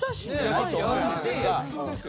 普通ですよ。